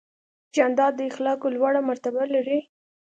جانداد د اخلاقو لوړه مرتبه لري.